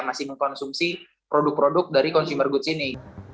masih mengkonsumsi produk produk dari consumer goods ini